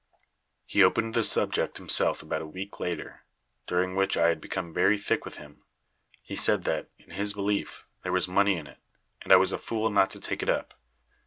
"He opened the subject himself about a week later, during which I had become very thick with him. He said that, in his belief, there was money in it, and I was a fool not to take it up.